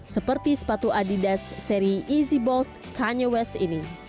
seperti sepatu adidas seri easy boss kanye west ini